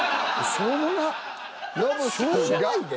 しょうもないで。